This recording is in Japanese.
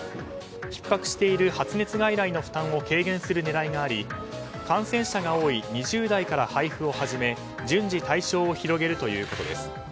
ひっ迫している発熱外来の負担を軽減する狙いがあり感染者が多い２０代から配布を始め順次対象を広げるということです。